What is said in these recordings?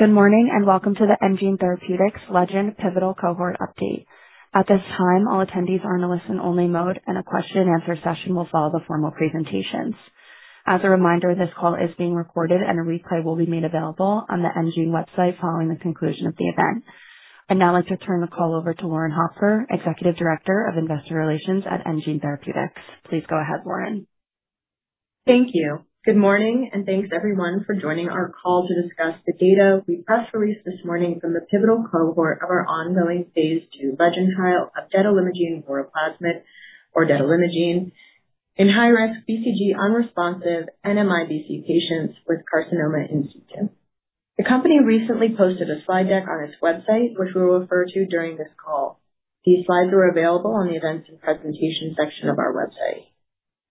Good morning, and welcome to the enGene Therapeutics LEGEND Pivotal Cohort update. At this time, all attendees are in a listen-only mode, and a question-and-answer session will follow the formal presentations. As a reminder, this call is being recorded, and a replay will be made available on the enGene website following the conclusion of the event. I'd now like to turn the call over to Lauren Hofstra, Executive Director of Investor Relations at enGene Therapeutics. Please go ahead, Lauren. Thank you. Good morning, and thanks, everyone, for joining our call to discuss the data we press-released this morning from the pivotal cohort of our ongoing phase II LEGEND trial of detalimogene voraplasmid or detalimogene in high-risk BCG-unresponsive NMIBC patients with carcinoma in situ. The company recently posted a slide deck on its website, which we'll refer to during this call. These slides are available on the Events and Presentation section of our website.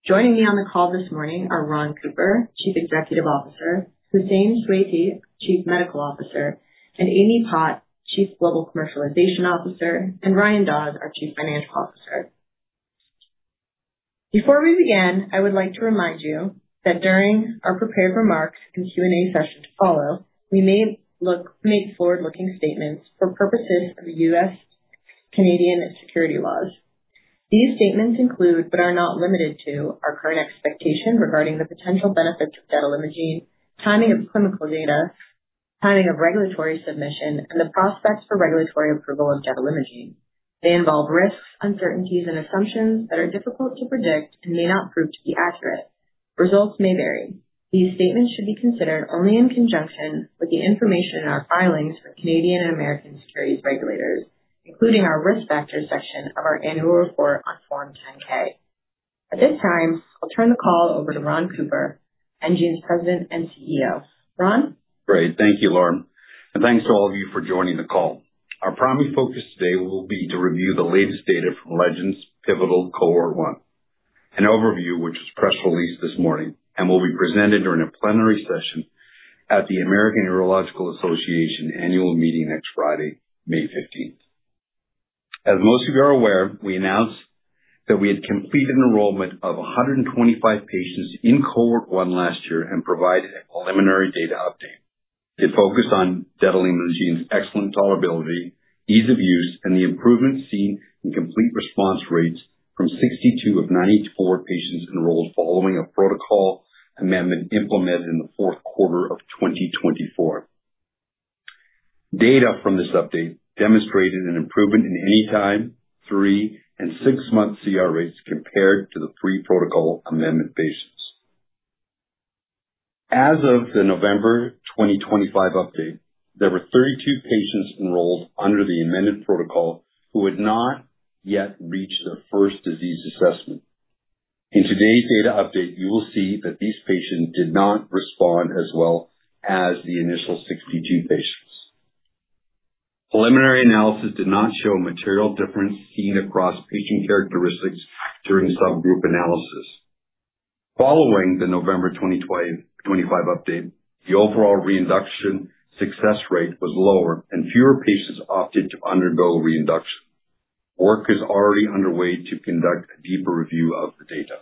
Joining me on the call this morning are Ron Cooper, Chief Executive Officer, Hussein Sweis, Chief Medical Officer, and Amy Pott, Chief Global Commercialization Officer, and Ryan Dodds, our Chief Financial Officer. Before we begin, I would like to remind you that during our prepared remarks and Q&A session to follow, we may make forward-looking statements for purposes of U.S. Canadian security laws. These statements include, but are not limited to, our current expectation regarding the potential benefits of detalimogene, timing of clinical data, timing of regulatory submission, and the prospects for regulatory approval of detalimogene. They involve risks, uncertainties, and assumptions that are difficult to predict and may not prove to be accurate. Results may vary. These statements should be considered only in conjunction with the information in our filings for Canadian and American securities regulators, including our Risk Factors section of our annual report on Form 10-K. At this time, I'll turn the call over to Ron Cooper, enGene's President and CEO. Ron? Great. Thank you, Lauren, thanks to all of you for joining the call. Our primary focus today will be to review the latest data from LEGEND's Pivotal Cohort 1, an overview which was press-released this morning and will be presented during a plenary session at the American Urological Association annual meeting next Friday, May 15th. As most of you are aware, we announced that we had completed enrollment of 125 patients in Cohort 1 last year and provided a preliminary data update. It focused on detalimogene's excellent tolerability, ease of use, and the improvements seen in complete response rates from 62 of 94 patients enrolled following a protocol amendment implemented in the fourth quarter of 2024. Data from this update demonstrated an improvement in any time three- and six-month CR rates compared to the pre-protocol amendment patients. As of the November 2025 update, there were 32 patients enrolled under the amended protocol who had not yet reached their first disease assessment. In today's data update, you will see that these patients did not respond as well as the initial 62 patients. Preliminary analysis did not show a material difference seen across patient characteristics during subgroup analysis. Following the November 2025 update, the overall reinduction success rate was lower, and fewer patients opted to undergo reinduction. Work is already underway to conduct a deeper review of the data.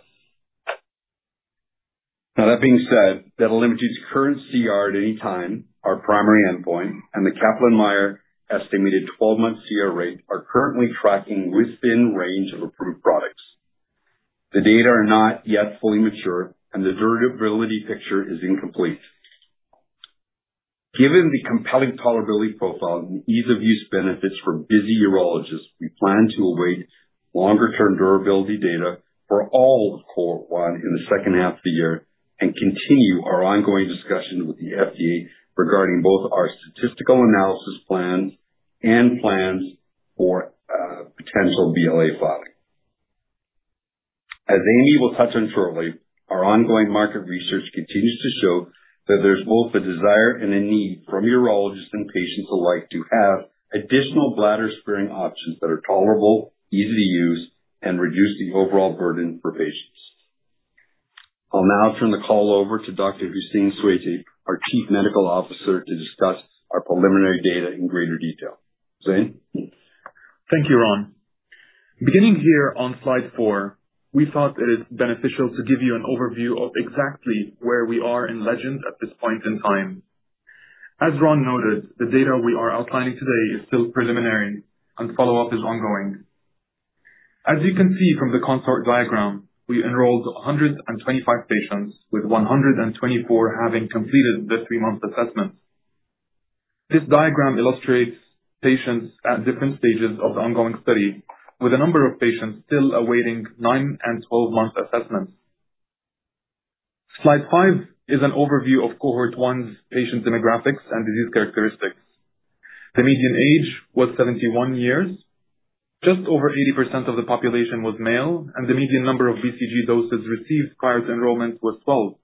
Now, that being said, detalimogene's current CR at any time, our primary endpoint, and the Kaplan-Meier estimated 12-month CR rate are currently tracking within range of approved products. The data are not yet fully mature, and the durability picture is incomplete. Given the compelling tolerability profile and ease-of-use benefits for busy urologists, we plan to await longer-term durability data for all of Cohort 1 in the second half of the year and continue our ongoing discussion with the FDA regarding both our statistical analysis plans and plans for potential BLA filing. As Amy will touch on shortly, our ongoing market research continues to show that there's both a desire and a need from urologists and patients alike to have additional bladder-sparing options that are tolerable, easy to use, and reduce the overall burden for patients. I'll now turn the call over to Dr. Hussein Sweis, our Chief Medical Officer, to discuss our preliminary data in greater detail. Hussein? Thank you, Ron. Beginning here on slide four, we thought that it's beneficial to give you an overview of exactly where we are in LEGEND at this point in time. As Ron noted, the data we are outlining today is still preliminary and follow-up is ongoing. As you can see from the CONSORT diagram, we enrolled 125 patients, with 124 having completed the three-month assessment. This diagram illustrates patients at different stages of the ongoing study, with a number of patients still awaiting nine- and 12-month assessments. Slide five is an overview of Cohort 1's patient demographics and disease characteristics. The median age was 71 years. Just over 80% of the population was male, and the median number of BCG doses received prior to enrollment was 12.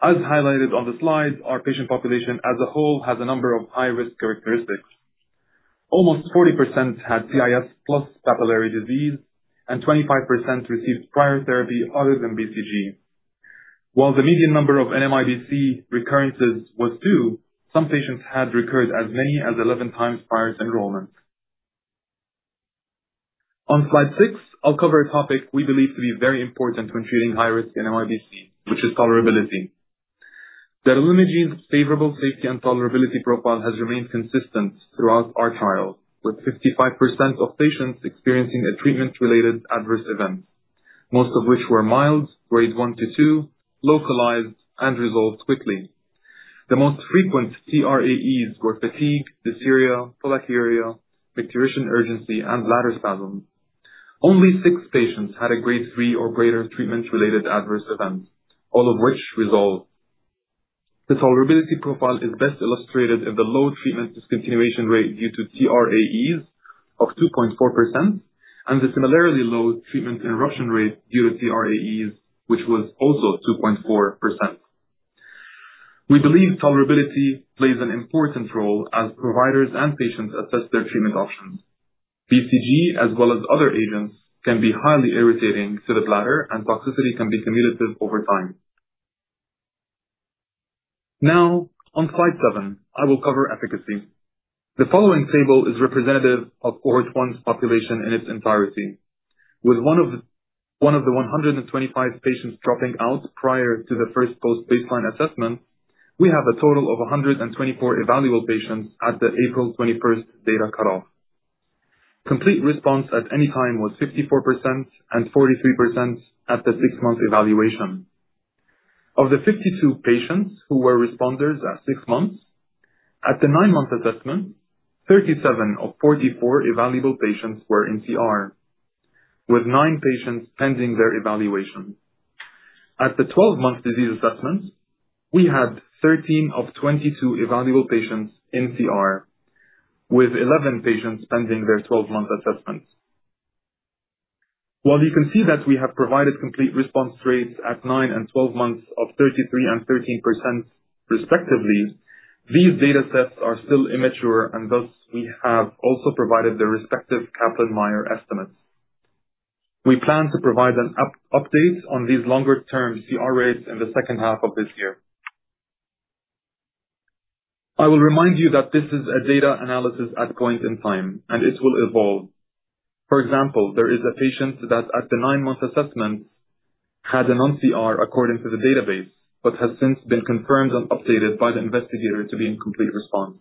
As highlighted on the slide, our patient population as a whole has a number of high-risk characteristics. Almost 40% had CIS plus papillary disease, and 25% received prior therapy other than BCG. While the median number of NMIBC recurrences was two, some patients had recurred as many as 11 times prior to enrollment. On slide six, I'll cover a topic we believe to be very important when treating high risk NMIBC, which is tolerability. Detalimogene's favorable safety and tolerability profile has remained consistent throughout our trial, with 55% of patients experiencing a treatment-related adverse event, most of which were mild, Grade 1 to 2, localized and resolved quickly. The most frequent TRAEs were fatigue, dysuria, pollakiuria, micturition urgency, and bladder spasm. Only six patients had a Grade 3 or greater treatment-related adverse event, all of which resolved. The tolerability profile is best illustrated in the low treatment discontinuation rate due to TRAEs of 2.4% and the similarly low treatment interruption rate due to TRAEs, which was also 2.4%. We believe tolerability plays an important role as providers and patients assess their treatment options. BCG, as well as other agents, can be highly irritating to the bladder, and toxicity can be cumulative over time. On slide seven, I will cover efficacy. The following table is representative of Cohort 1's population in its entirety. With one of the 125 patients dropping out prior to the first post-baseline assessment, we have a total of 124 evaluable patients at the April 21st data cutoff. Complete response at any time was 54% and 43% at the six-month evaluation. Of the 52 patients who were responders at six months, at the nine-month assessment, 37 of 44 evaluable patients were in CR, with nine patients pending their evaluation. At the 12-month disease assessment, we had 13 of 22 evaluable patients in CR, with 11 patients pending their 12-month assessment. While you can see that we have provided complete response rates at nine and 12 months of 33% and 13% respectively, these datasets are still immature and thus we have also provided the respective Kaplan-Meier estimates. We plan to provide an update on these longer-term CR rates in the second half of this year. I will remind you that this is a data analysis at point in time, and it will evolve. For example, there is a patient that at the nine-month assessment had a non-CR according to the database, but has since been confirmed and updated by the investigator to be in complete response.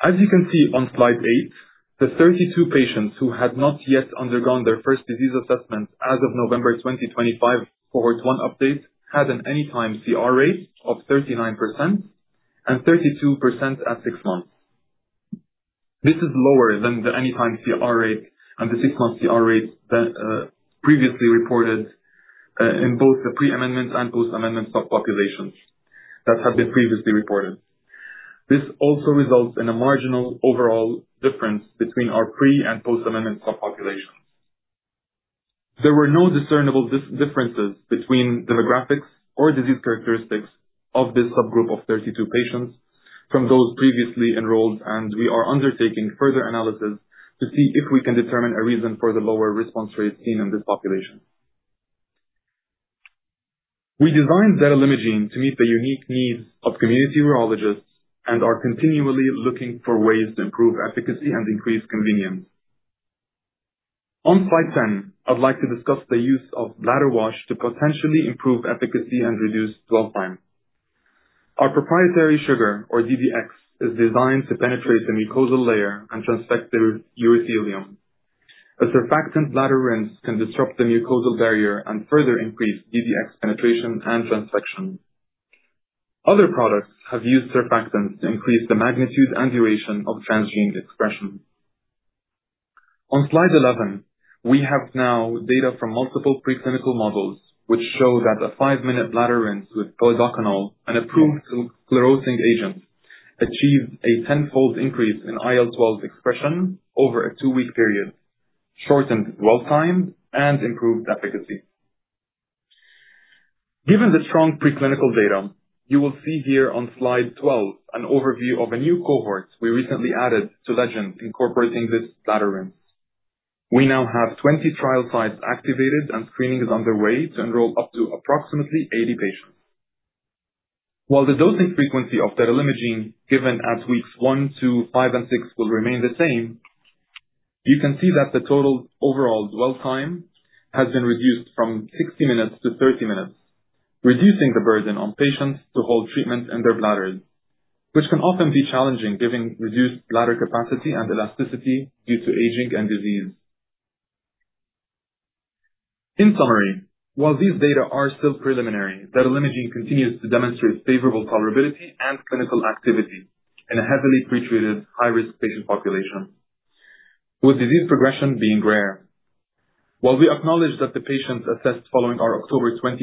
As you can see on slide eight, the 32 patients who had not yet undergone their first disease assessment as of November 2025 Cohort 1 update had an anytime CR rate of 39% and 32% at six months. This is lower than the anytime CR rate and the six-month CR rate that previously reported in both the pre-amendment and post-amendment subpopulations that have been previously reported. This also results in a marginal overall difference between our pre and post-amendment subpopulations. There were no discernible differences between demographics or disease characteristics of this subgroup of 32 patients from those previously enrolled, and we are undertaking further analysis to see if we can determine a reason for the lower response rates seen in this population. We designed detalimogene to meet the unique needs of community urologists and are continually looking for ways to improve efficacy and increase convenience. On slide 10, I'd like to discuss the use of bladder wash to potentially improve efficacy and reduce dwell time. Our proprietary sugar or DDX, is designed to penetrate the mucosal layer and transfect the urothelium. A surfactant bladder rinse can disrupt the mucosal barrier and further increase DDX penetration and transfection. Other products have used surfactants to increase the magnitude and duration of transgene expression. On slide 11, we have now data from multiple preclinical models which show that a five-minute bladder rinse with polidocanol, an approved sclerosing agent, achieved a 10-fold increase in IL-12 expression over a two-week period, shortened dwell time, and improved efficacy. Given the strong preclinical data, you will see here on slide 12 an overview of a new cohort we recently added to LEGEND incorporating this bladder rinse. We now have 20 trial sites activated and screening is underway to enroll up to approximately 80 patients. While the dosing frequency of detalimogene given at weeks one, two, five, and six will remain the same, you can see that the total overall dwell time has been reduced from 60 minutes to 30 minutes, reducing the burden on patients to hold treatment in their bladders, which can often be challenging given reduced bladder capacity and elasticity due to aging and disease. In summary, while these data are still preliminary, detalimogene continues to demonstrate favorable tolerability and clinical activity in a heavily pretreated high-risk patient population, with disease progression being rare. While we acknowledge that the patients assessed following our October 2025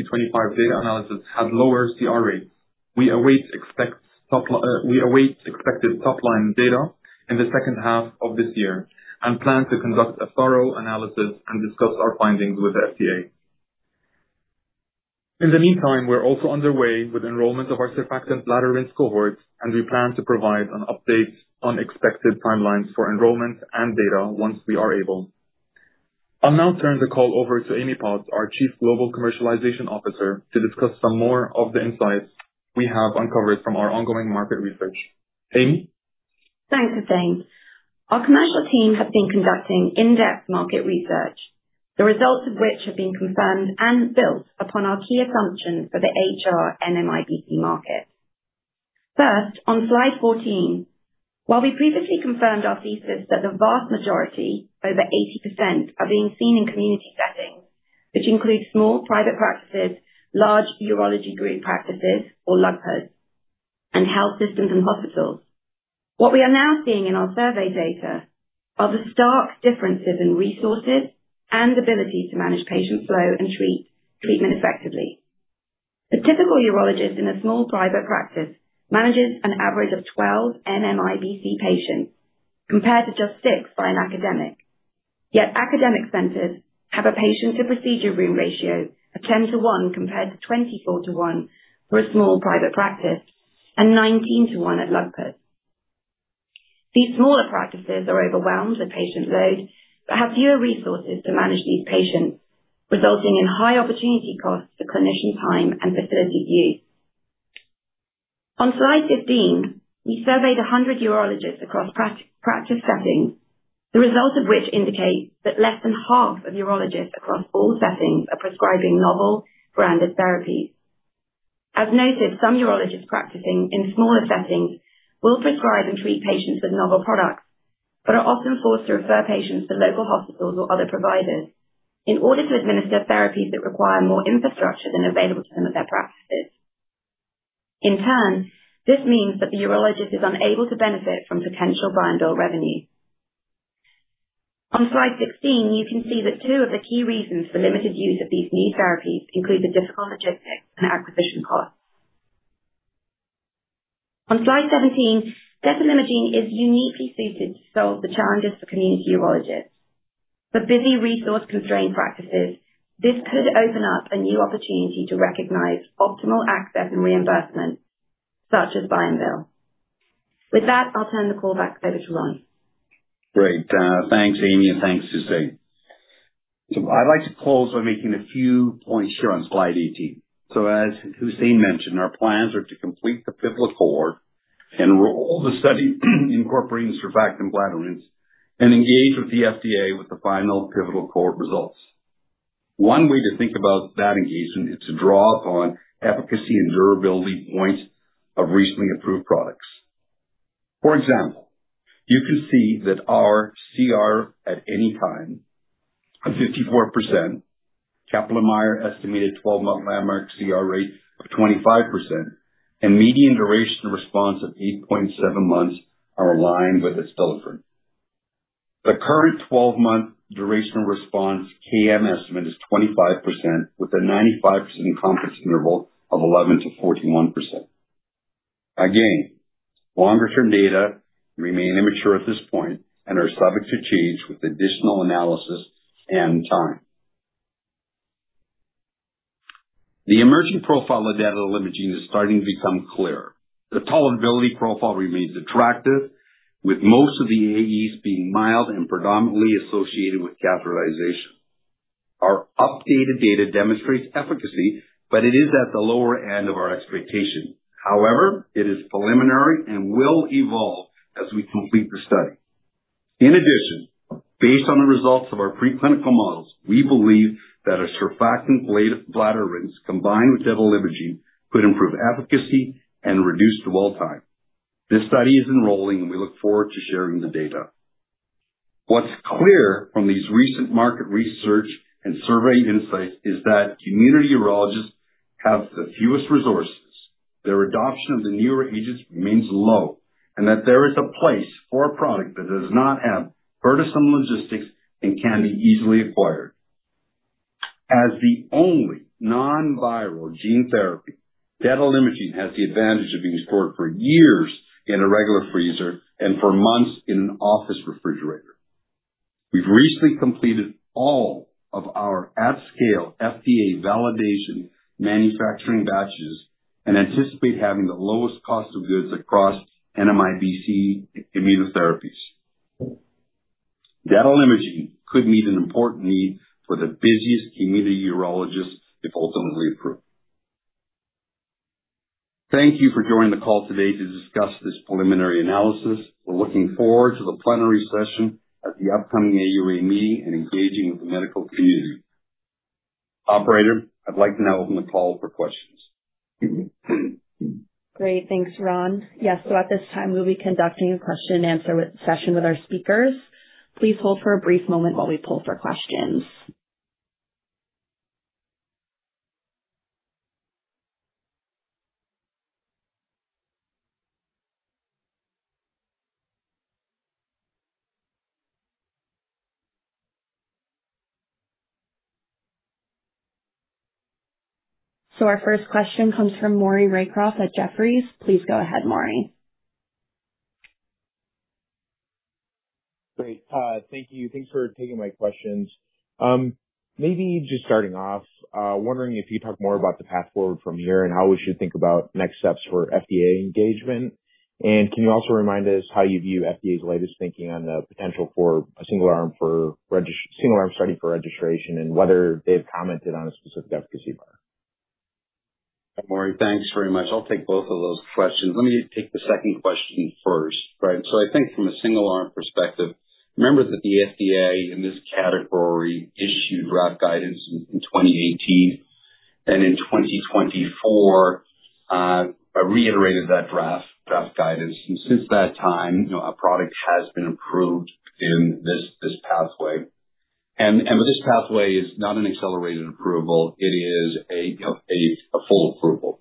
data analysis had lower CR rates, we await expected top-line data in the second half of this year and plan to conduct a thorough analysis and discuss our findings with the FDA. In the meantime, we're also underway with enrollment of our surfactant bladder rinse cohort, and we plan to provide an update on expected timelines for enrollment and data once we are able. I'll now turn the call over to Amy Pott, our Chief Global Commercialization Officer, to discuss some more of the insights we have uncovered from our ongoing market research. Amy? Thanks, Hussein. Our commercial team have been conducting in-depth market research, the results of which have been confirmed and built upon our key assumptions for the HR-NMIBC market. First, on slide 14, while we previously confirmed our thesis that the vast majority, over 80%, are being seen in community settings, which include small private practices, large urology group practices or LUGPAs and health systems and hospitals. What we are now seeing in our survey data are the stark differences in resources and abilities to manage patient flow and treatment effectively. The typical urologist in a small private practice manages an average of 12 NMIBC patients, compared to just six by an academic. Yet academic centers have a patient-to-procedure room ratio of 10 to one, compared to 24 to one for a small private practice and 19 to one at LUGPAs. These smaller practices are overwhelmed with patient load, have fewer resources to manage these patients, resulting in high opportunity costs for clinician time and facility use. On slide 15, we surveyed 100 urologists across practice settings, the results of which indicate that less than half of urologists across all settings are prescribing novel branded therapies. As noted, some urologists practicing in smaller settings will prescribe and treat patients with novel products, are often forced to refer patients to local hospitals or other providers in order to administer therapies that require more infrastructure than available to them at their practices. In turn, this means that the urologist is unable to benefit from potential buy-and-bill revenue. On slide 16, you can see that two of the key reasons for limited use of these new therapies include the difficult logistics and acquisition costs. On slide 17, detalimogene is uniquely suited to solve the challenges for community urologists. For busy resource-constrained practices, this could open up a new opportunity to recognize optimal access and reimbursement, such as buy-and-bill. With that, I'll turn the call back over to Ron. Great. Thanks, Amy, and thanks, Hussein. I'd like to close by making a few points here on slide 18. As Hussein mentioned, our plans are to complete the pivotal core, enroll the study incorporating surfactant bladder rinse, and engage with the FDA with the final pivotal core results. One way to think about that engagement is to draw upon efficacy and durability points of recently approved products. For example, you can see that our CR at any time of 54%, Kaplan-Meier estimated 12-month landmark CR rate of 25%, and median duration response of 8.7 months are aligned with Adstiladrin. The current 12-month duration response KM estimate is 25%, with a 95% confidence interval of 11%-41%. Again, longer-term data remain immature at this point and are subject to change with additional analysis and time. The emerging profile of adalimumab is starting to become clearer. The tolerability profile remains attractive, with most of the AEs being mild and predominantly associated with catheterization. Our updated data demonstrates efficacy, but it is at the lower end of our expectation. It is preliminary and will evolve as we complete the study. Based on the results of our preclinical models, we believe that a surfactant bladder rinse combined with adalimumab could improve efficacy and reduce dwell time. This study is enrolling, and we look forward to sharing the data. What's clear from these recent market research and survey insights is that community urologists have the fewest resources, their adoption of the newer agents remains low, and that there is a place for a product that does not have burdensome logistics and can be easily acquired. As the only non-viral gene therapy, detalimogene has the advantage of being stored for years in a regular freezer and for months in an office refrigerator. We've recently completed all of our at-scale FDA validation manufacturing batches and anticipate having the lowest cost of goods across NMIBC immunotherapies. Detalimogene could meet an important need for the busiest community urologists if ultimately approved. Thank you for joining the call today to discuss this preliminary analysis. We're looking forward to the plenary session at the upcoming AUA meeting and engaging with the medical community. Operator, I'd like to now open the call for questions. Great. Thanks, Ron. Yes. At this time, we'll be conducting a question-and-answer session with our speakers. Please hold for a brief moment while we pull for questions. Our first question comes from Maury Raycroft at Jefferies. Please go ahead, Maury. Great. Thank you. Thanks for taking my questions. Maybe just starting off, wondering if you'd talk more about the path forward from here and how we should think about next steps for FDA engagement. Can you also remind us how you view FDA's latest thinking on the potential for a single arm study for registration and whether they've commented on a specific efficacy bar? Maury, thanks very much. I'll take both of those questions. Let me take the second question first, right? I think from a single arm perspective, remember that the FDA in this category issued draft guidance in 2018 and in 2024 reiterated that draft guidance. Since that time, you know, our product has been approved in this pathway. This pathway is not an accelerated approval, it is a full approval.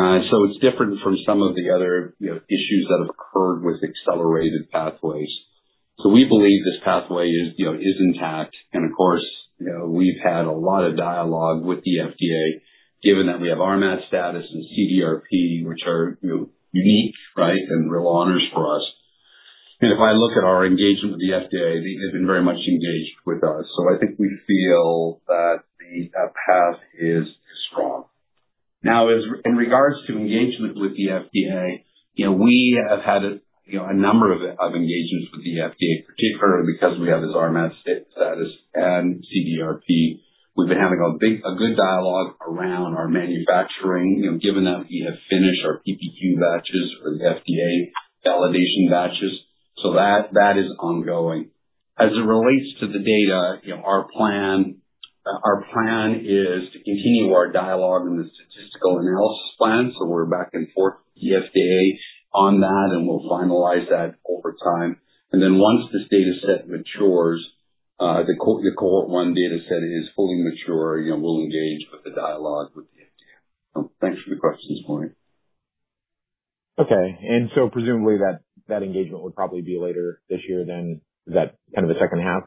It's different from some of the other, you know, issues that have occurred with accelerated pathways. We believe this pathway is, you know, intact. Of course, you know, we've had a lot of dialogue with the FDA given that we have RMAT status and CDRP which are, you know, unique, right, and real honors for us. If I look at our engagement with the FDA, they have been very much engaged with us. I think we feel that the path is strong. As in regards to engagement with the FDA, you know, we have had a, you know, a number of engagements with the FDA, particularly because we have this RMAT status and CDRP. We've been having a good dialogue around our manufacturing, you know, given that we have finished our PPQ batches or the FDA validation batches. That is ongoing. As it relates to the data, you know, our plan is to continue our dialogue and the statistical analysis plan. We're back and forth with the FDA on that, and we'll finalize that over time. Once this data set matures, the cohort one data set is fully mature, you know, we'll engage with the dialogue with the FDA. Thanks for the questions, Maury. Okay. Presumably that engagement would probably be later this year then. Is that kind of the second half?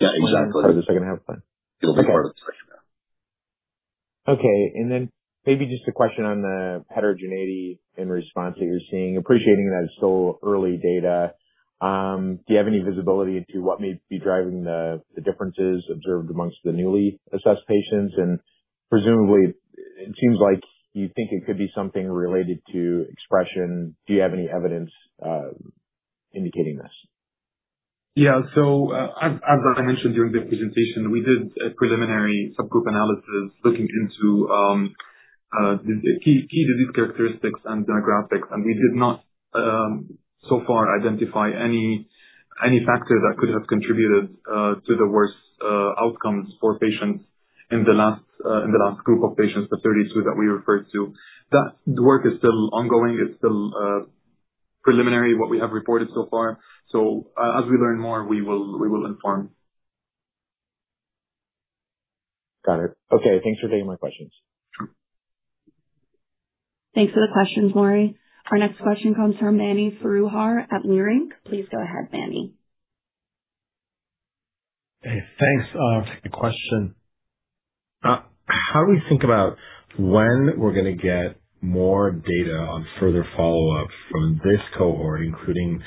Yeah, exactly. Part of the second half plan. It'll be part of the second half. Okay. Then maybe just a question on the heterogeneity in response that you're seeing. Appreciating that it's still early data, do you have any visibility into what may be driving the differences observed amongst the newly assessed patients? Presumably it seems like you think it could be something related to expression. Do you have any evidence indicating this? Yeah. As I mentioned during the presentation, we did a preliminary subgroup analysis looking into the key disease characteristics and demographics. We did not so far identify any factor that could have contributed to the worst outcomes for patients in the last in the last group of patients, the 32 that we referred to. That work is still ongoing. It's still preliminary what we have reported so far. As we learn more, we will inform. Got it. Okay. Thanks for taking my questions. Thanks for the questions, Maury. Our next question comes from Mani Foroohar at Leerink Partners. Please go ahead, Mani. Hey, thanks. A question. How do we think about when we're gonna get more data on further follow-up from this cohort, including,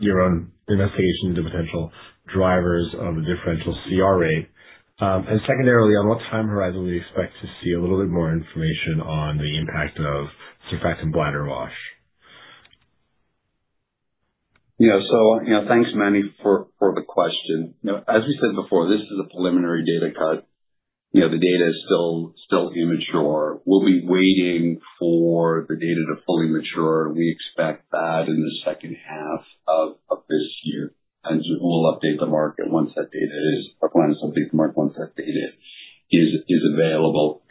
your own investigation into potential drivers of a differential CR rate? Secondarily, on what time horizon will we expect to see a little bit more information on the impact of surfactant bladder wash? Yeah. You know, thanks, Manny, for the question. You know, as we said before, this is a preliminary data cut. You know, the data is still immature. We'll be waiting for the data to fully mature. We expect that in the second half of this year. We'll update the market our plan is update the market once that data is available.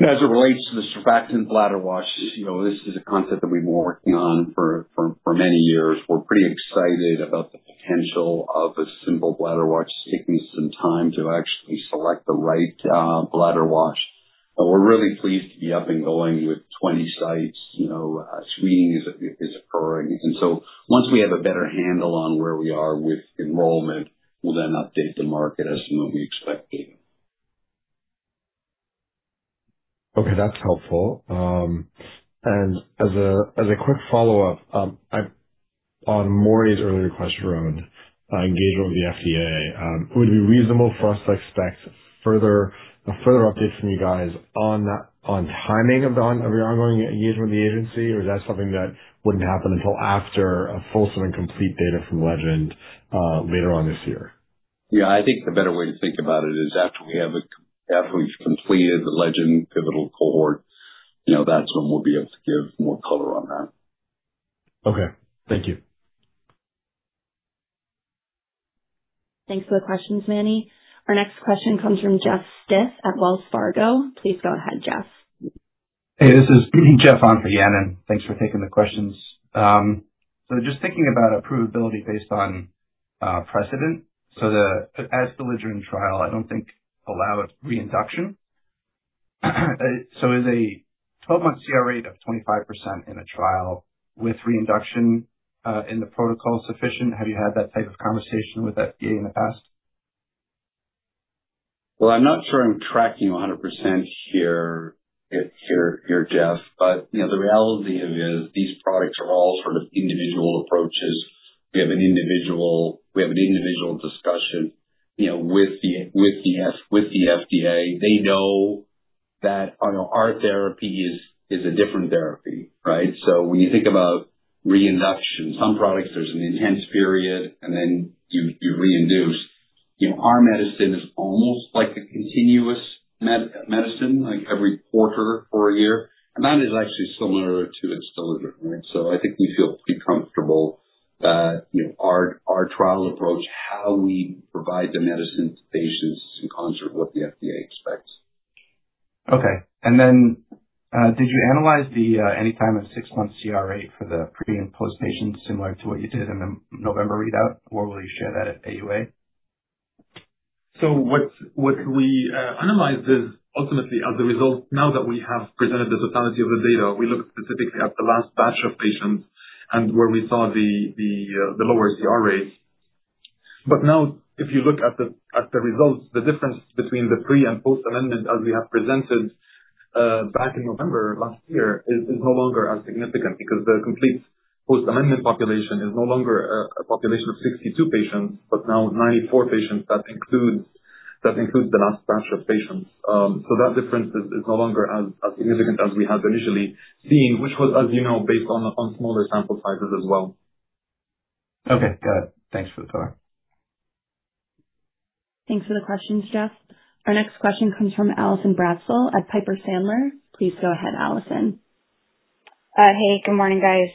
As it relates to the surfactant bladder wash, you know, this is a concept that we've been working on for many years. We're pretty excited about the potential of a simple bladder wash. It needs some time to actually select the right bladder wash. We're really pleased to be up and going with 20 sites. You know, screening is occurring. Once we have a better handle on where we are with enrollment, we'll then update the market as you know we expect data. Okay, that's helpful. As a, as a quick follow-up, on Maury's earlier question around engagement with the FDA, would it be reasonable for us to expect further, a further update from you guys on timing of your ongoing engagement with the agency? Or is that something that wouldn't happen until after a fulsome and complete data from LEGEND, later on this year? Yeah. I think the better way to think about it is after we've completed the LEGEND pivotal cohort, you know, that's when we'll be able to give more color on that. Okay. Thank you. Thanks for the questions, Mani. Our next question comes from Jeff Stantial at Wells Fargo. Please go ahead, Jeff. Hey, this is Jeff on for Yanan. Thanks for taking the questions. Just thinking about approvability based on precedent. The Adalimumab trial I don't think allows reinduction. Is a 12-month CR rate of 25% in a trial with reinduction in the protocol sufficient? Have you had that type of conversation with the FDA in the past? Well, I'm not sure I'm tracking you 100% here, Jeff, but, you know, the reality is these products are all sort of individual approaches. We have an individual discussion, you know, with the FDA, they know that, you know, our therapy is a different therapy, right? When you think about reinduction, some products, there's an intense period, and then you reinduce. You know, our medicine is almost like a continuous medicine, like every quarter for a year, and that is actually similar to [XELJANZ], right? I think we feel pretty comfortable that, you know, our trial approach, how we provide the medicine to patients is in concert with what the FDA expects. Okay. Then, did you analyze the, any time of six-month CRA for the pre and post patients similar to what you did in the November readout, or will you share that at AUA? What we analyzed is ultimately as a result, now that we have presented the totality of the data, we looked specifically at the last batch of patients and where we saw the lower CR rates. Now if you look at the results, the difference between the pre and post amendment as we have presented back in November last year is no longer as significant because the complete post-amendment population is no longer a population of 62 patients, but now 94 patients that includes the last batch of patients. That difference is no longer as significant as we had initially seen, which was, as you know, based on smaller sample sizes as well. Okay, got it. Thanks for the color. Thanks for the questions, Jeff. Our next question comes from Allison Bratzel at Piper Sandler. Please go ahead, Allison. Hey, good morning, guys.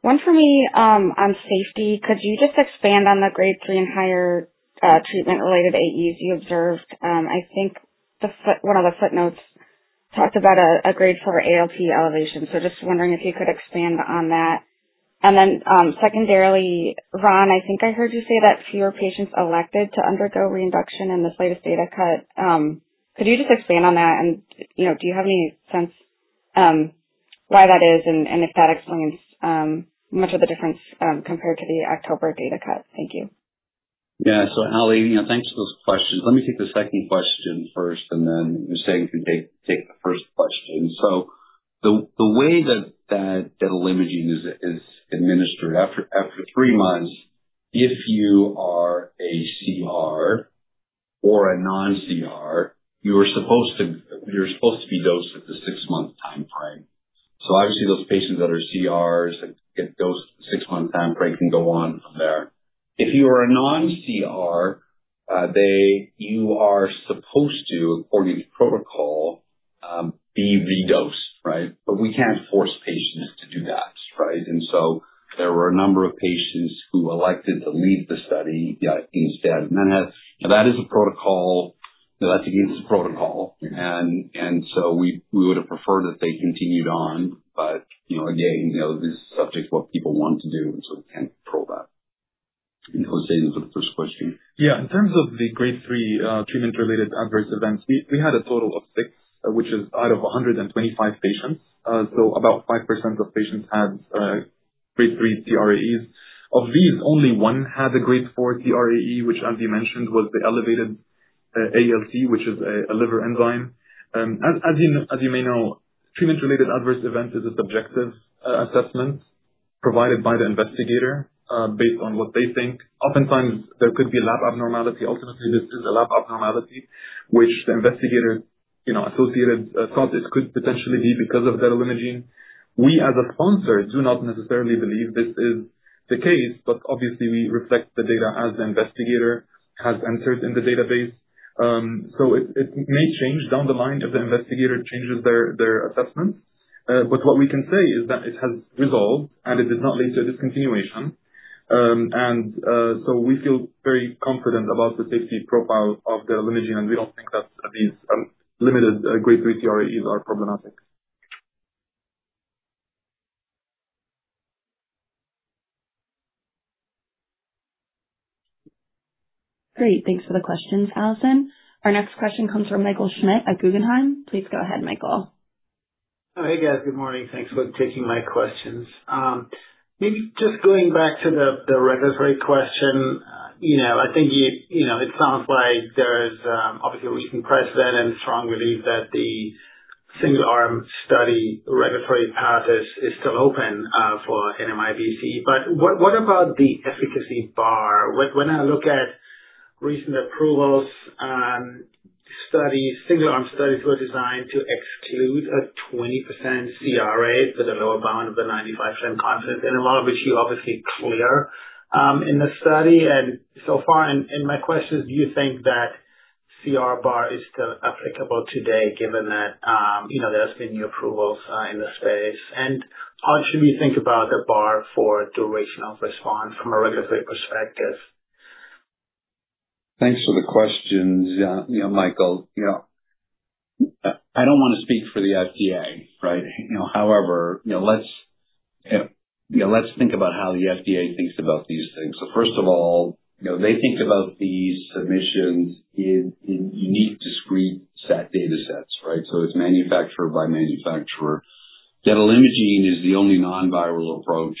One for me, on safety. Could you just expand on the Grade 3 and higher, treatment-related AEs you observed? I think one of the footnotes talked about a Grade 4 ALT elevation, so just wondering if you could expand on that. Then, secondarily, Ron, I think I heard you say that fewer patients elected to undergo reinduction in this latest data cut. Could you just expand on that and, you know, do you have any sense, why that is and if that explains much of the difference, compared to the October data cut? Thank you. Allie, you know, thanks for those questions. Let me take the second question first, and then Hussein can take the first question. The way that detalimogene is administered after three months, if you are a CR or a non-CR, you're supposed to be dosed at the six-month timeframe. Obviously, those patients that are CRs and get dosed at the six-month timeframe can go on from there. If you are a non-CR, you are supposed to, according to protocol, be redosed, right? We can't force patients to do that, right? There were a number of patients who elected to leave the study instead. Now that is a protocol. That's against the protocol. We would have preferred that they continued on. You know, again, you know, this is subject to what people want to do, and so we can't control that. Hussein for the first question. In terms of the Grade 3 Treatment-Related Adverse Events, we had a total of six , which is out of 125 patients. About 5% of patients had Grade 3 TRAEs. Of these, only one had a Grade 4 TRAE, which as you mentioned, was the elevated ALT, which is a liver enzyme. As you may know, Treatment-Related Adverse Event is a subjective assessment provided by the investigator, based on what they think. Oftentimes there could be lab abnormality. Ultimately, this is a lab abnormality which the investigator, you know, associated, thought it could potentially be because of detalimogene. We, as a sponsor, do not necessarily believe this is the case, but obviously we reflect the data as the investigator has entered in the database. It may change down the line if the investigator changes their assessment. What we can say is that it has resolved, and it did not lead to discontinuation. We feel very confident about the safety profile of detalimogene, and we don't think that these limited Grade 3 TRAEs are problematic. Great. Thanks for the questions, Allison. Our next question comes from Michael Schmidt at Guggenheim. Please go ahead, Michael. Hey, guys. Good morning. Thanks for taking my questions. Maybe just going back to the regulatory question. You know, I think you know, it sounds like there's obviously recent precedent and strong belief that the single arm study regulatory path is still open for NMIBC. What about the efficacy bar? When I look at recent approvals, studies, single arm studies were designed to exclude a 20% CR, so the lower bound of the 95% confidence and a lot of which you obviously clear in the study. My question is, do you think that CR bar is still applicable today given that, you know, there has been new approvals in the space? How should we think about the bar for duration of response from a regulatory perspective? Thanks for the questions, you know, Michael. You know, I don't wanna speak for the FTI, right? You know, let's, you know, let's think about how the FDA thinks about these things. First of all, you know, they think about these submissions in unique, discrete datasets, right? It's manufacturer by manufacturer. Detalimogene is the only non-viral approach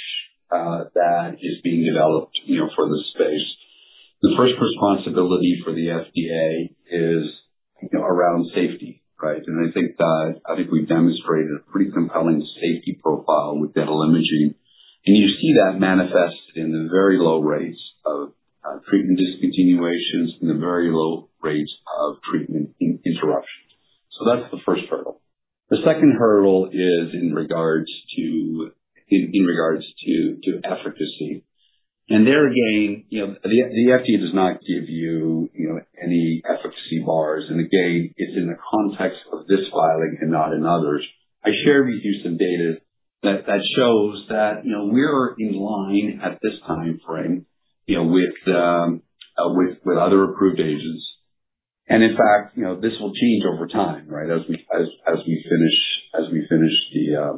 that is being developed, you know, for this space. The first responsibility for the FDA is around safety, right? I think that, I think we've demonstrated a pretty compelling safety profile with detalimogene. You see that manifest in the very low rates of treatment discontinuations and the very low rates of treatment interruptions. That's the first hurdle. The second hurdle is in regards to efficacy. There again, you know, the FDA does not give you know, any efficacy bars. Again, it's in the context of this filing and not in others. I shared with you some data that shows that, you know, we're in line at this time frame, you know, with other approved agents. In fact, you know, this will change over time, right? As we finish the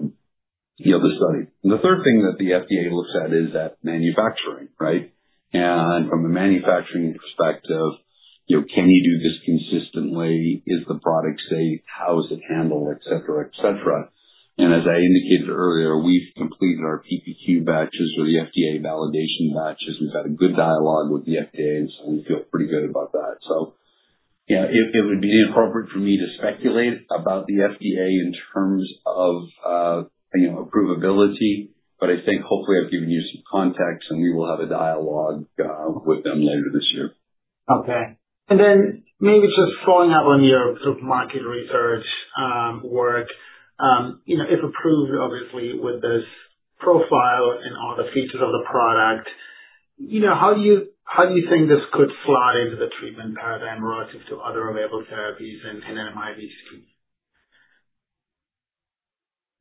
other study. The third thing that the FDA looks at is at manufacturing, right? From a manufacturing perspective, you know, can you do this consistently? Is the product safe? How is it handled? Et cetera, et cetera. As I indicated earlier, we've completed our PPQ batches or the FDA validation batches. We've had a good dialogue with the FDA, and so we feel pretty good about that. You know, it would be inappropriate for me to speculate about the FDA in terms of, you know, approvability, but I think hopefully I've given you some context, and we will have a dialogue with them later this year. Okay. Maybe just following up on your sort of market research, work, you know, if approved, obviously with this profile and all the features of the product, you know, how do you think this could slot into the treatment paradigm relative to other available therapies in NMIBC?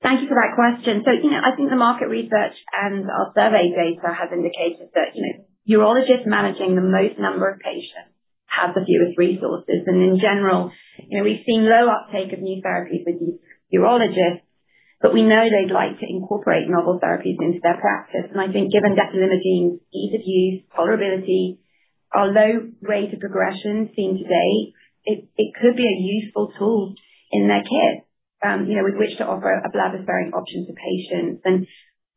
Thank you for that question. You know, I think the market research and our survey data has indicated that, you know, urologists managing the most number of patients have the fewest resources. In general, you know, we've seen low uptake of new therapies with these urologists, but we know they'd like to incorporate novel therapies into their practice. I think given detalimogene's ease of use, tolerability, our low rate of progression seen to date, it could be a useful tool in their kit, you know, with which to offer a bladder sparing option to patients.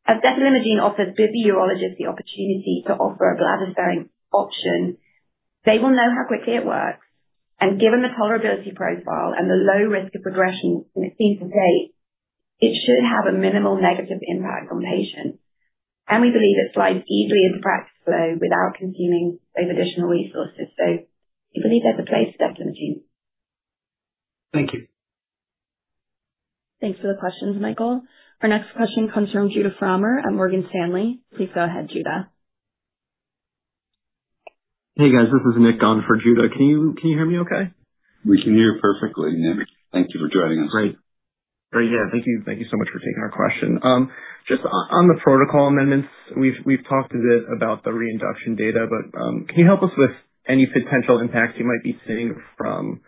As detalimogene offers the urologist the opportunity to offer a bladder sparing option, they will know how quickly it works. Given the tolerability profile and the low risk of progression that we've seen to date, it should have a minimal negative impact on patients. We believe it slides easily into practice flow without consuming those additional resources. We believe there's a place for detalimogene. Thank you. Thanks for the questions, Michael. Our next question comes from Judah Frommer at Morgan Stanley. Please go ahead, Judah. Hey, guys. This is Nick on for Judah. Can you hear me okay? We can hear perfectly, Nick. Thank you for joining us. Great. Yeah, thank you. Thank you so much for taking our question. Just on the protocol amendments, we've talked a bit about the reinduction data, but, can you help us with any potential impacts you might be seeing from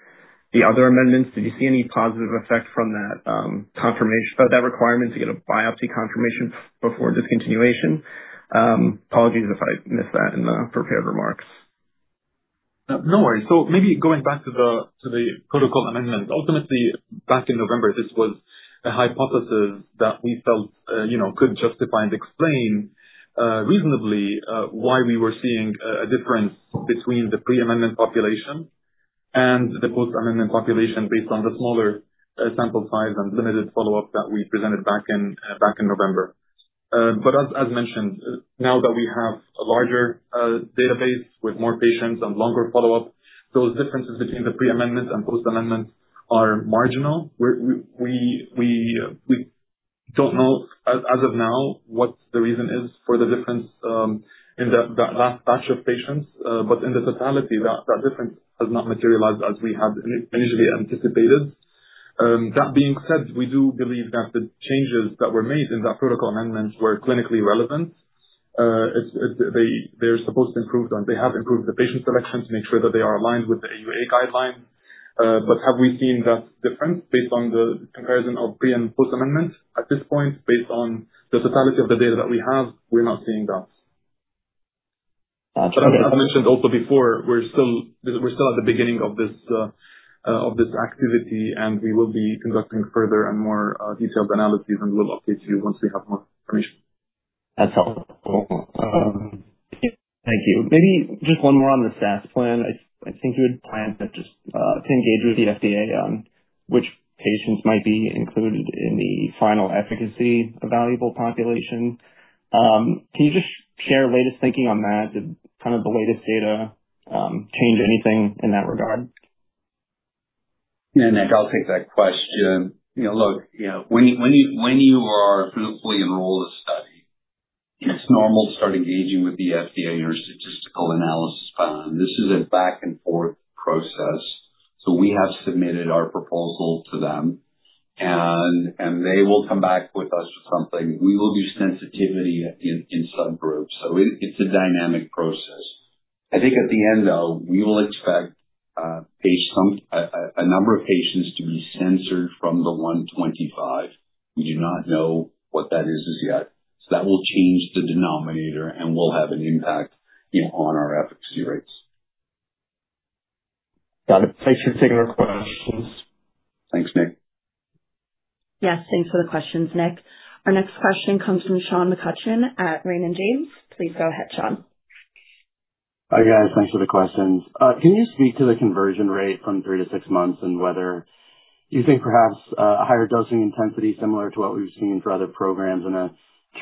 the other amendments? Did you see any positive effect from that, confirmation, that requirement to get a biopsy confirmation before discontinuation? Apologies if I missed that in the prepared remarks. No worry. Maybe going back to the protocol amendment. Ultimately, back in November, this was a hypothesis that we felt, you know, could justify and explain reasonably why we were seeing a difference between the pre-amendment population and the post-amendment population based on the smaller sample size and limited follow-up that we presented back in November. But as mentioned, now that we have a larger database with more patients and longer follow-up, those differences between the pre-amendment and post-amendment are marginal. We don't know as of now what the reason is for the difference in that last batch of patients. But in the totality, that difference has not materialized as we had initially anticipated. That being said, we do believe that the changes that were made in that protocol amendments were clinically relevant. As they're supposed to improve and they have improved the patient selection to make sure that they are aligned with the AUA guidelines. Have we seen that difference based on the comparison of pre and post-amendment? At this point, based on the totality of the data that we have, we're not seeing that. Gotcha. As I mentioned also before, we're still at the beginning of this activity, and we will be conducting further and more detailed analyses, and we will update you once we have more information. That's helpful. Thank you. Maybe just one more on the SAP plan. I think you had planned to just engage with the FDA on which patients might be included in the final efficacy evaluable population. Can you just share latest thinking on that? Did kind of the latest data change anything in that regard? Nick, I'll take that question. You know, look, you know, when you are fully enrolled in a study, it's normal to start engaging with the FDA on your statistical analysis plan. This is a back-and-forth process. We have submitted our proposal to them and they will come back with us with something. We will do sensitivity in subgroups. It's a dynamic process. I think at the end, though, we will expect a number of patients to be censored from the 125. We do not know what that is as yet. That will change the denominator and will have an impact, you know, on our efficacy rates. Got it. Thanks for taking the question. Thanks Nick. Yes, thanks for the questions, Nick. Our next question comes from Sean McCutcheon at Raymond James. Please go ahead, Sean. Hi, guys. Thanks for the questions. Can you speak to the conversion rate from three to six months and whether you think perhaps a higher dosing intensity, similar to what we've seen for other programs in a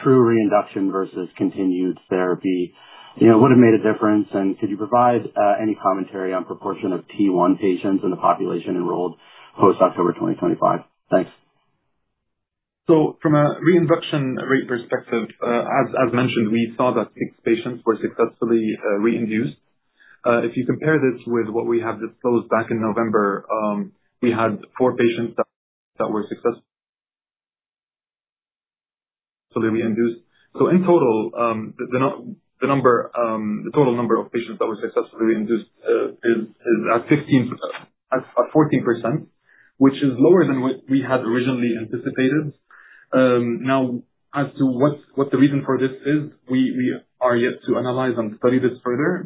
true reinduction versus continued therapy, you know, would have made a difference? Could you provide any commentary on proportion of T1 patients in the population enrolled post October 2025? Thanks. From a reinduction rate perspective, as mentioned, we saw that six patients were successfully reinduced. If you compare this with what we have disclosed back in November, we had four patients that were successfully reinduced. In total, the total number of patients that were successfully reinduced is at 14%, which is lower than what we had originally anticipated. Now as to what the reason for this is, we are yet to analyze and study this further.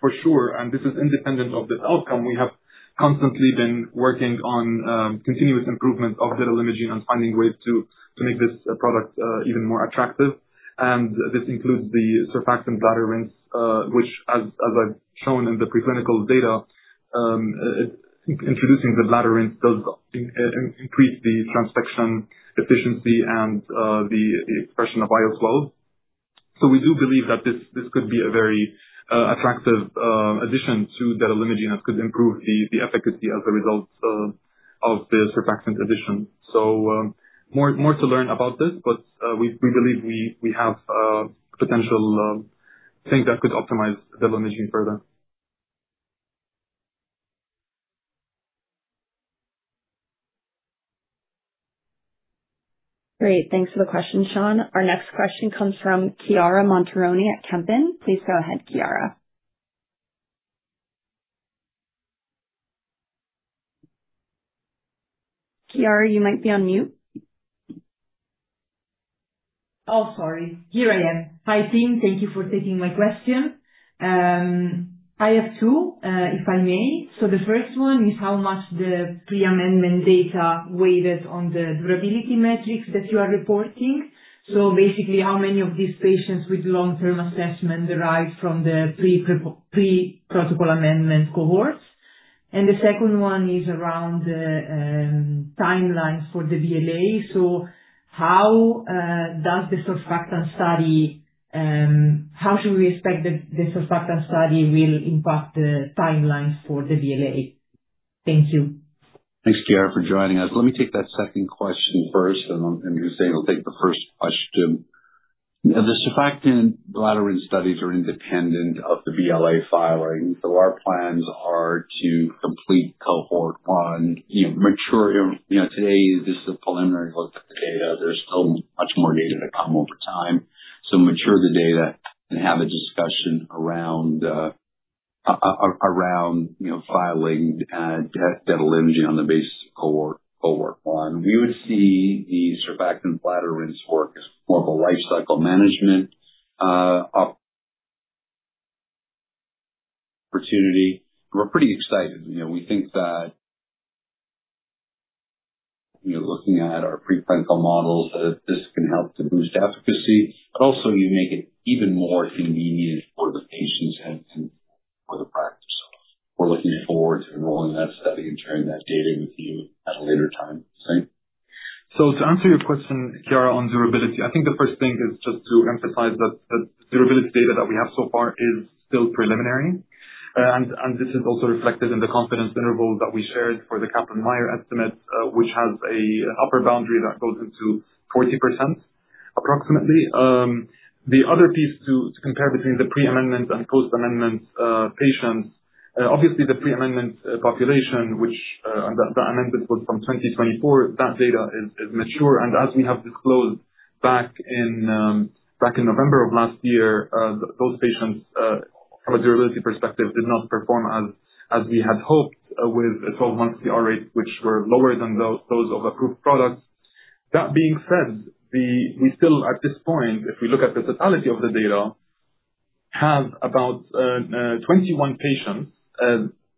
For sure, and this is independent of this outcome, we have constantly been working on continuous improvement of detalimogene and finding ways to make this product even more attractive. This includes the surfactant bladder rinse, which as I've shown in the preclinical data, introducing the bladder rinse does increase the transfection efficiency and the expression of biofilm. We do believe that this could be a very attractive addition to detalimogene and could improve the efficacy as a result of the surfactant addition. More to learn about this, but we believe we have potential things that could optimize detalimogene further. Great. Thanks for the question, Sean. Our next question comes from Chiara Montironi at Kempen. Please go ahead, Chiara. Chiara, you might be on mute. Sorry. Here I am. Hi, team. Thank you for taking my question. I have two, if I may. The first one is how much the pre-amendment data weighted on the durability metrics that you are reporting. Basically, how many of these patients with long-term assessment derived from the pre-protocol amendment cohorts? The second one is around the timelines for the BLA. How does the surfactant study, how should we expect the surfactant study will impact the timelines for the BLA? Thank you. Thanks, Chiara, for joining us. Let me take that second question first, and then Hussein will take the 1st question. The surfactant bladder rinse studies are independent of the BLA filing. Our plans are to complete cohort 1, mature, today this is a preliminary look at the data. There's still much more data to come over time. Mature the data and have a discussion around filing detalimogene on the basis of cohort 1. We would see the surfactant bladder rinse work as formal lifecycle management opportunity. We're pretty excited. We think that, looking at our preclinical models, that this can help to boost efficacy, but also you make it even more convenient for the patients and for the practice. We're looking forward to enrolling that study and sharing that data with you at a later time. Hussein? To answer your question, Chiara, on durability, I think the first thing is just to emphasize that durability data that we have so far is still preliminary. This is also reflected in the confidence interval that we shared for the Kaplan-Meier estimate, which has a upper boundary that goes into 40% approximately. The other piece to compare between the pre-amendment and post-amendment patients, obviously the pre-amendment population, which, and that amendment was from 2024, that data is mature. As we have disclosed back in November of last year, those patients from a durability perspective, did not perform as we had hoped, with a 12-month CR rate, which were lower than those of approved products. That being said, the we still at this point, if we look at the totality of the data, have about 21 patients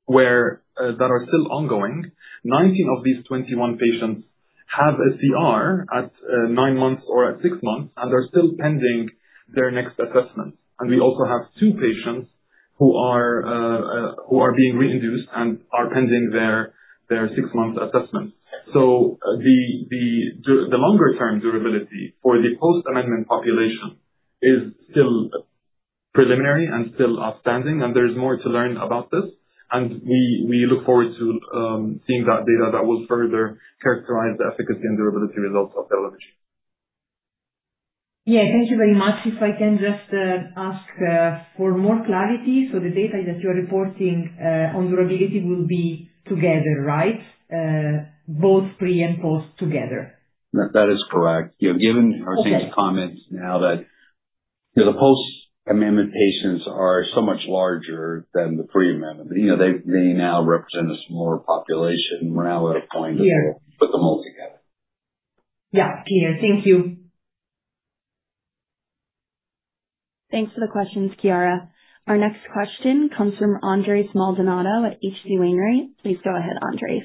where that are still ongoing. 19 of these 21 patients have a CR at nine months or at six months, and they're still pending their next assessment. We also have two patients who are who are being reinduced and are pending their six-month assessment. The longer term durability for the post-amendment population is still preliminary and still outstanding, and there's more to learn about this. We look forward to seeing that data that will further characterize the efficacy and durability results of detalimogene. Yeah, thank you very much. If I can just ask for more clarity. The data that you're reporting on durability will be together, right? Both pre and post together. That is correct. You know, given Hussein's comments now that, you know, the post-amendment patients are so much larger than the pre-amendment. You know, they now represent a smaller population. We're now at a point where. Yeah. We put them all together. Yeah. Yeah. Thank you. Thanks for the questions, Chiara. Our next question comes from Andres Maldonado at H.C. Wainwright. Please go ahead, Andres.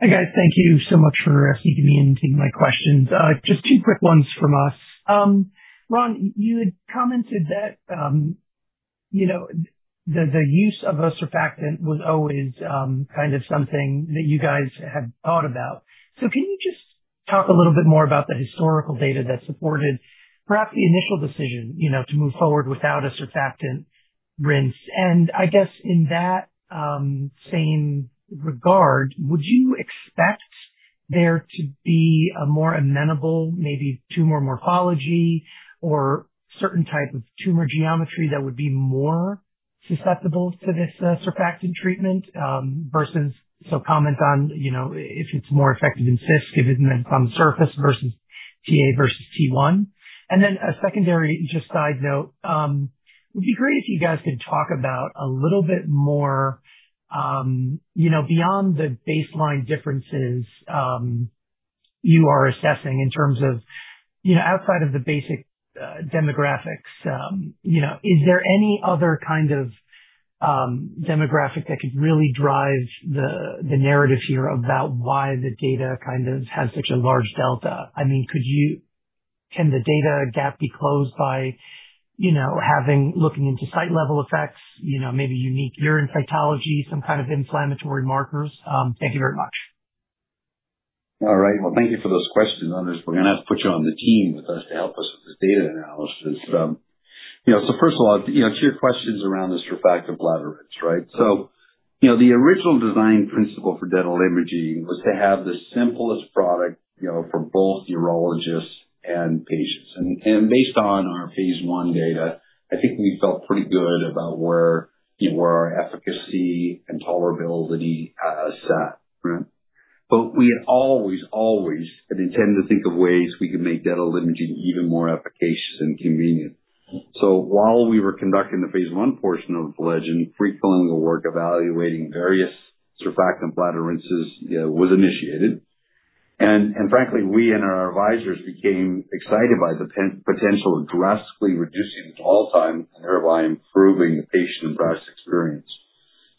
Hi, guys. Thank you so much for asking me and taking my questions. Just two quick ones from us. Ron, you had commented that, you know, the use of a surfactant was always kind of something that you guys had thought about. Can you just talk a little bit more about the historical data that supported perhaps the initial decision, you know, to move forward without a surfactant rinse? I guess in that same regard, would you expect there to be a more amenable maybe tumor morphology or certain type of tumor geometry that would be more susceptible to this surfactant treatment versus So comment on, you know, if it's more effective in CIS given than from surface versus Ta versus T1. A secondary just side note, would be great if you guys could talk about a little bit more, you know, beyond the baseline differences, you are assessing in terms of, you know, outside of the basic demographics, you know, is there any other kind of demographic that could really drive the narrative here about why the data kind of has such a large delta? I mean, can the data gap be closed by, you know, having looking into site level effects, you know, maybe unique urine cytology, some kind of inflammatory markers? Thank you very much. All right. Well, thank you for those questions, Andres. We're going to have to put you on the team with us to help us with this data analysis. You know, first of all, you know, to your questions around the surfactant bladder rinse, right? You know, the original design principle for detalimogene was to have the simplest product, you know, for both urologists and patients. Based on our phase I data, I think we felt pretty good about where, you know, where our efficacy and tolerability set. We always have intended to think of ways we could make detalimogene even more efficacious and convenient. While we were conducting the phase I portion of the LEGEND, preclinical work evaluating various surfactant bladder rinses, you know, was initiated. Frankly, we and our advisors became excited by the potential of drastically reducing the total time and thereby improving the patient and practice experience.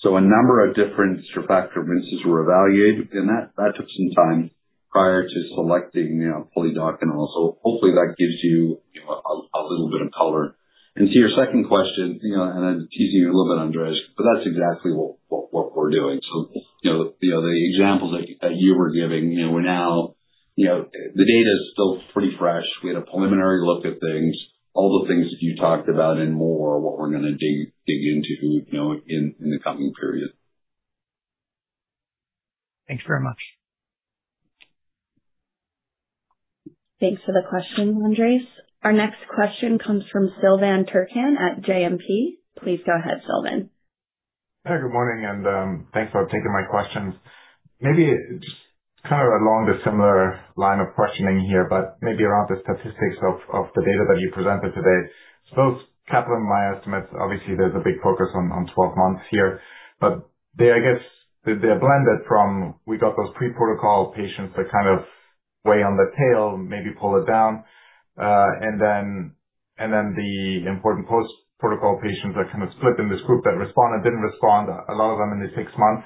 A number of different surfactant rinses were evaluated, and that took some time prior to selecting, you know, polidocanol. Hopefully that gives you know, a little bit of color. To your second question, you know, I'm teasing you a little bit, Andres, that's exactly what we're doing. You know, the examples that you were giving, you know, we're now, you know, the data is still pretty fresh. We had a preliminary look at things, all the things you talked about and more what we're gonna dig into, you know, in the coming period. Thanks very much. Thanks for the question, Andres. Our next question comes from Silvan Türkcan at JMP. Please go ahead, Silvan. Hey, good morning, thanks for taking my questions. Maybe just kind of along the similar line of questioning here, maybe around the statistics of the data that you presented today. Those Kaplan-Meier estimates, obviously there's a big focus on 12 months here, they I guess they're blended from we got those pre-protocol patients that kind of weigh on the tail, maybe pull it down. Then the important post-protocol patients are kind of split in this group that respond and didn't respond, a lot of them in the 6 months.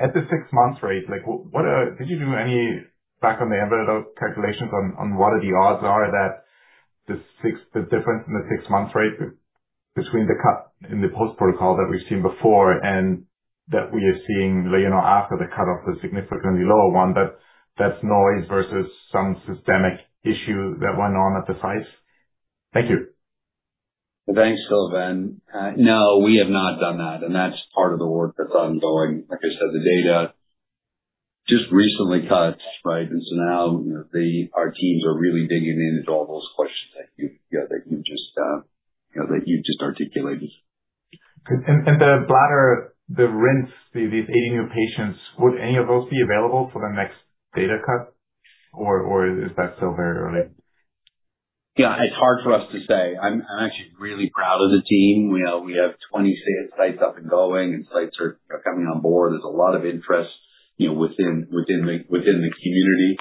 At the six-month rate, like what, did you do any back on the envelope calculations on what are the odds that the difference in the six months rate between the cut in the post protocol that we've seen before and that we are seeing later or after the cut-off is significantly lower, one, that that's noise versus some systemic issue that went on at the sites. Thank you. Thanks, Silvan. No, we have not done that. That's part of the work that's ongoing. Like I said, the data just recently cut, right? Now, you know, our teams are really digging into all those questions that you know, that you just, you know, that you just articulated. The bladder, the rinse, these 80 new patients, would any of those be available for the next data cut or is that still very early? Yeah, it's hard for us to say. I'm actually really proud of the team. You know, we have 20 set of sites up and going and sites are coming on board. There's a lot of interest, you know, within the community.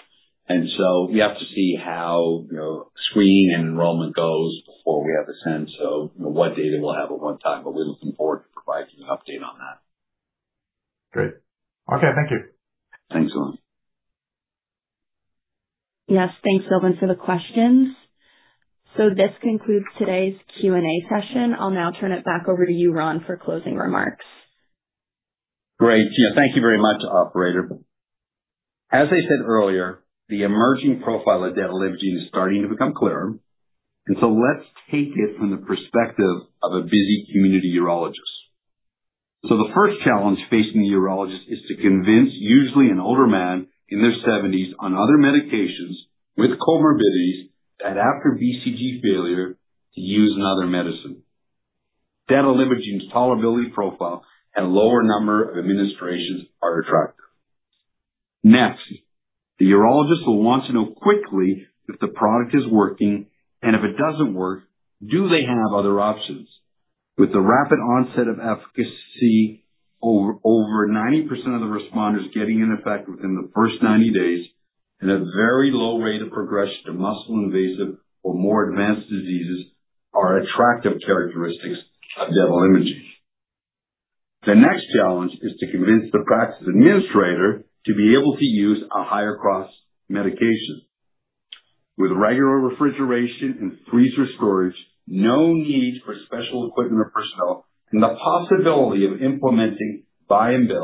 We have to see how, you know, screen and enrollment goes before we have a sense of, you know, what data we'll have at one time. We're looking forward to providing an update on that. Great. Okay. Thank you. Thanks, Silvan. Yes, thanks, Silvan, for the questions. This concludes today's Q&A session. I'll now turn it back over to you, Ron, for closing remarks. Great. You know, thank you very much, operator. As I said earlier, the emerging profile of detalimogene is starting to become clearer. Let's take it from the perspective of a busy community urologist. The first challenge facing the urologist is to convince usually an older man in their 70s on other medications with comorbidities that after BCG failure, to use another medicine. Detalimogene's tolerability profile and lower number of administrations are attractive. Next, the urologist will want to know quickly if the product is working and if it doesn't work, do they have other options? With the rapid onset of efficacy, over 90% of the responders getting an effect within the first 90 days and a very low rate of progression to muscle invasive or more advanced diseases are attractive characteristics of detalimogene. The next challenge is to convince the practice administrator to be able to use a higher cost medication. With regular refrigeration and freezer storage, no need for special equipment or personnel, and the possibility of implementing buy-and-bill.